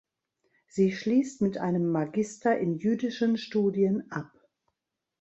Sie schließt mit einem Magister in Jüdischen Studien ab.